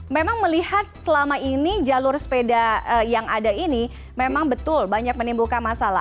memang melihat selama ini jalur sepeda yang ada ini memang betul banyak menimbulkan masalah